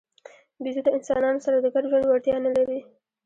بیزو د انسانانو سره د ګډ ژوند وړتیا نه لري.